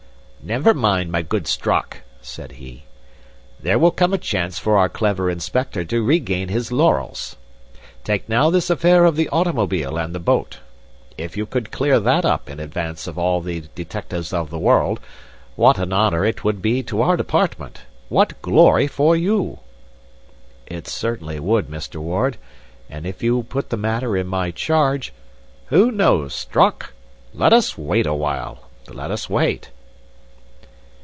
"Never mind, my good Strock," said he, "there will come a chance for our clever inspector to regain his laurels. Take now this affair of the automobile and the boat. If you could clear that up in advance of all the detectives of the world, what an honor it would be to our department! What glory for you!" "It certainly would, Mr. Ward. And if you put the matter in my charge—" "Who knows, Strock? Let us wait a while! Let us wait!"